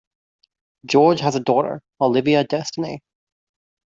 George has a daughter, Olivia Destiny.